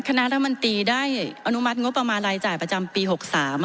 คณะรัฐมนตรีได้อนุมัติงบประมาณรายจ่ายประจำปี๖๓